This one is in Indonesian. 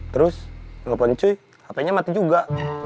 terus ngepon cuy hp nya mati juga